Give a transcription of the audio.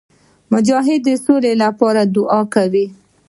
مجاهد د سولي لپاره دعا کوي.